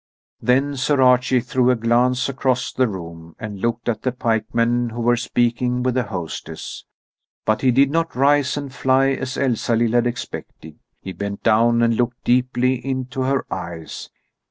Then Sir Archie threw a glance across the room and looked at the pikemen who were speaking with the hostess. But he did not rise and fly as Elsalill had expected: he bent down and looked deeply into her eyes.